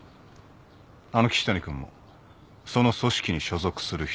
あの岸谷君もその組織に所属する一人だ。